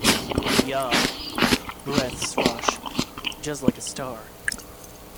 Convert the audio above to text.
"Yah," breaths Rausch, "Just like a star.